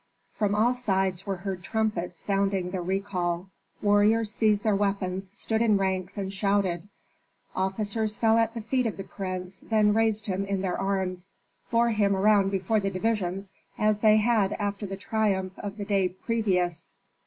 From all sides were heard trumpets sounding the recall. Warriors seized their weapons, stood in ranks and shouted. Officers fell at the feet of the prince, then raised him in their arms, bore him around before the divisions, as they had after the triumph of the day previous.